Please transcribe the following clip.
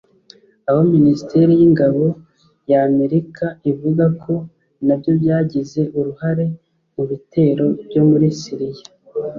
aho Minisiteri y’Ingabo ya Amerika ivuga ko nabyo byagize uruhare mu bitero byo muri Syria